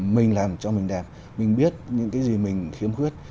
mình làm cho mình đẹp mình biết những cái gì mình khiếm khuyết